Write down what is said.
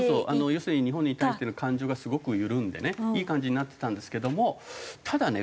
要するに日本に対しての感情がすごく緩んでねいい感じになってたんですけどもただね